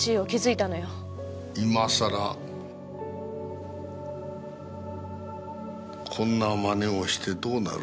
今さらこんな真似をしてどうなる？